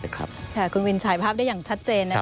คุณวินข่ายภาพได้อย่างชัดเจน